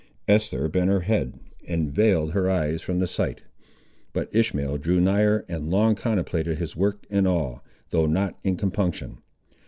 Esther bent her head and veiled her eyes from the sight. But Ishmael drew nigher, and long contemplated his work in awe, though not in compunction.